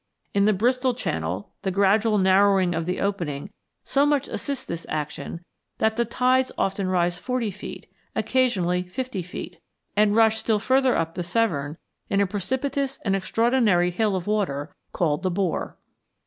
In the Bristol Channel the gradual narrowing of the opening so much assists this action that the tides often rise forty feet, occasionally fifty feet, and rush still further up the Severn in a precipitous and extraordinary hill of water called "the bore."